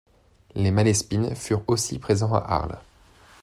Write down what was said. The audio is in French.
Les Malespine furent aussi présents à Arles.